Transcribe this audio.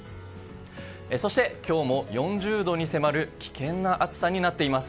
そして、今日も４０度に迫る危険な暑さとなっています。